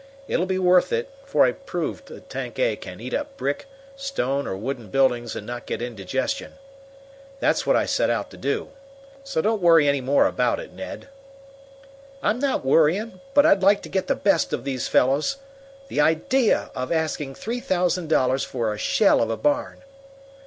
It'll be worth it, for I proved that Tank A can eat up brick, stone or wooden buildings and not get indigestion. That's what I set out to do. So don't worry any more about it, Ned." "I'm not worrying, but I'd like to get the best of those fellows. The idea of asking three thousand dollars for a shell of a barn!"